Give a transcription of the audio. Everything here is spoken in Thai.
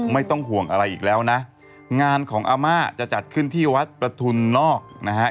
ไม่ต้องห่วงอะไรอีกแล้วนะงานของอาม่าจะจัดขึ้นที่วัดประทุนนอกนะฮะ